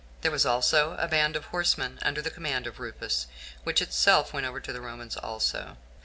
There was also a band of horsemen under the command of Rufus, which itself went over to the Romans also.